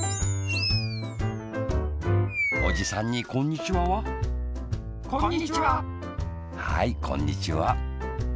おじさんに「こんにちは」は？こんにちは！はいこんにちは！